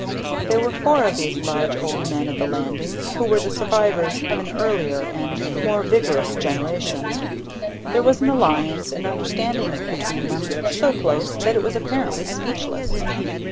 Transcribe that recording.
There were four of these large old men at the Landing, who were the survivors of an earlier and more vigorous generation. There was an alliance and understanding between them, so close that it was apparently speechless.